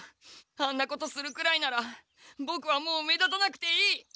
あんなことするくらいならボクはもう目立たなくていい。